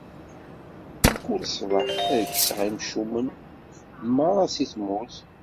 Mkul ṣṣbeḥ, ad kkseɣ imcumen merra si tmurt.